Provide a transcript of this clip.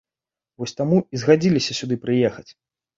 Вось таму і згадзіліся сюды прыехаць.